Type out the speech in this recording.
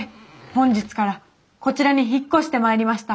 本日からこちらに引っ越してまいりました